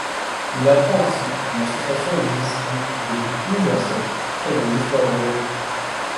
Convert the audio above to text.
Il apprend ainsi qu'une association existe qui, depuis plusieurs siècles, crée des histoires drôles.